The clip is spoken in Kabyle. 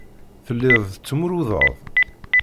Telliḍ tettmurudeḍ.